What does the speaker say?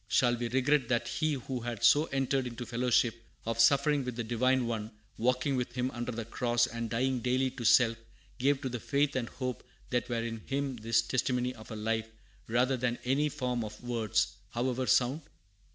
Shall we regret that he who had so entered into fellowship of suffering with the Divine One, walking with Him under the cross, and dying daily to self, gave to the faith and hope that were in him this testimony of a life, rather than any form of words, however sound?